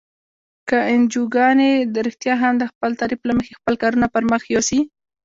که انجوګانې رښتیا هم د خپل تعریف له مخې خپل کارونه پرمخ یوسي.